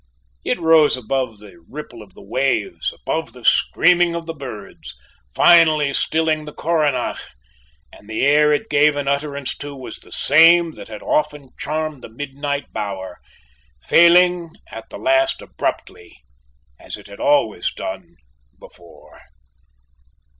It rose above the ripple of the waves, above the screaming of the birds, finally stilling the coronach, and the air it gave an utterance to was the same that had often charmed the midnight bower, failing at the last abruptly as it had always done before.